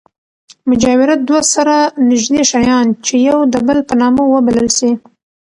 مجاورت دوه سره نژدې شیان، چي يو د بل په نامه وبلل سي.